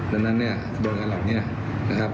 ดันเนี่ยจบงานหลักเนี่ยนะครับ